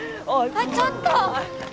あっちょっと！